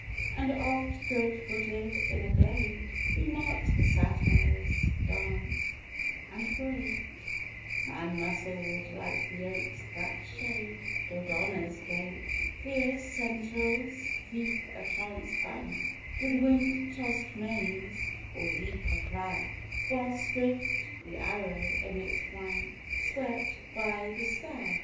And oft, goat footed, in a glade We marked the Satyrs dance, and great, Man muscled, like the oaks that shade Dodona's gate, Fierce Centaurs hoof a torrent's bank With wind tossed manes, or leap a crag, While swift, the arrow in its flank, Swept by the stag.